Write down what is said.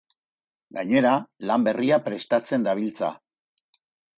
Gainera, lan berria prestatzen dabiltza.